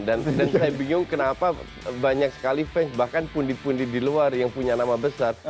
dan saya bingung kenapa banyak sekali fans bahkan pundi pundi di luar yang punya nama besar